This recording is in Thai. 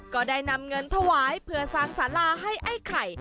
ก็ได้นำเงินถวายเพื่อสร้างสาราให้ไอ้ไข่